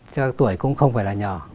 các tuổi cũng không phải là nhỏ